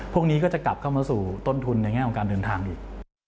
พวกนี้ก็จะกลับเข้ามาสู่ต้นทุนในแง่ของการเดินทางอีก